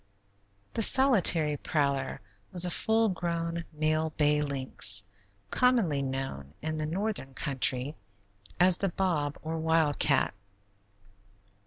The solitary prowler was a full grown, male bay lynx, commonly known in the northern country as the bob, or wildcat.